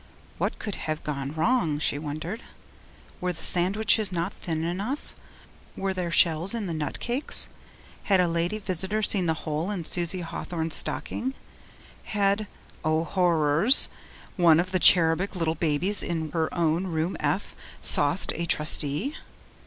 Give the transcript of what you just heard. What could have gone wrong, she wondered. Were the sandwiches not thin enough? Were there shells in the nut cakes? Had a lady visitor seen the hole in Susie Hawthorn's stocking? Had O horrors! one of the cherubic little babes in her own room F 'sauced' a Trustee?